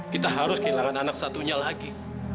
kita harus kehilangan anak satunya lagi